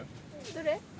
どれ？